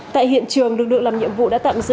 tại hiện trường lực lượng làm nhiệm vụ đã tăng